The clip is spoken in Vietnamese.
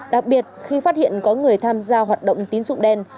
đặc biệt khi phát hiện có người tham gia hoạt động tín dụng đen